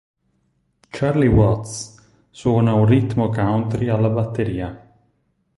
Charlie Watts suona un ritmo country alla batteria.